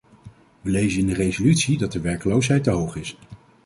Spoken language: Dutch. Wij lezen in de resolutie dat de werkloosheid te hoog is.